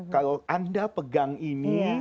kalau anda pegang ini